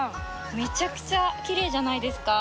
めちゃくちゃきれいじゃないですか？